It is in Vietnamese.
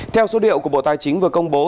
theo số liệu của bộ tài chính vừa công bố